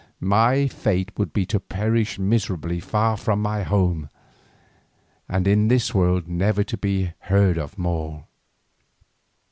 My fate would be to perish miserably far from my home, and in this world never to be heard of more.